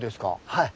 はい。